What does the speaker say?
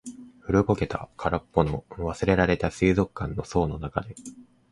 古ぼけた、空っぽの、忘れられた水族館の槽の中で。